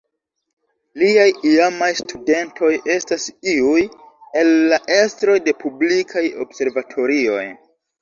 Liaj iamaj studentoj estas iuj el la estroj de publikaj observatorioj.